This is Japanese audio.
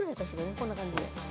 こんな感じで。